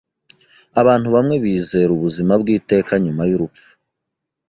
Abantu bamwe bizera ubuzima bw'iteka nyuma y'urupfu.